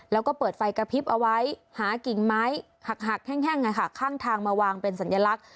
แล้วก็เปิดไฟกระพริบเอาไว้หากิ่งไม้หักแห้งข้างทางมาวางเป็นสัญลักษณ